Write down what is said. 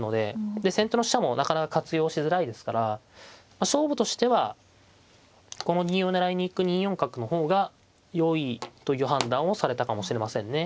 で先手の飛車もなかなか活用しづらいですから勝負としてはこの銀を狙いに行く２四角の方がよいという判断をされたかもしれませんね。